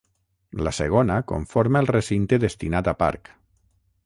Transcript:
La segona conforma el recinte destinat a parc.